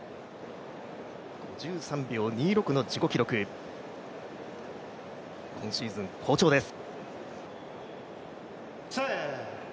１３秒２６の自己記録、今シーズン好調です。